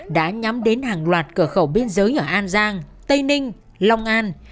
đã nhắm đến hàng loạt cửa khẩu biên giới ở an giang tây ninh long an